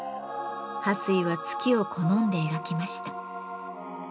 巴水は月を好んで描きました。